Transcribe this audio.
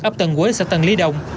ấp tân quế xã tân lý đông